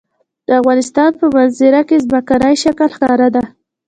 د افغانستان په منظره کې ځمکنی شکل ښکاره ده.